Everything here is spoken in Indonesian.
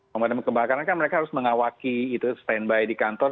pemadam kebakaran kan mereka harus mengawaki itu standby di kantor